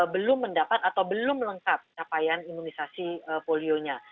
belum mendapat atau belum lengkap capaian imunisasi polionya